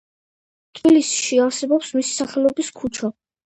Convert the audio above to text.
თბილისში არსებობს მისი სახელობის ქუჩა.